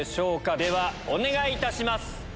ではお願いいたします！